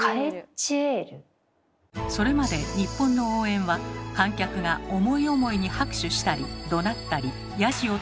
それまで日本の応援は観客が思い思いに拍手したりどなったりやじを飛ばしたりと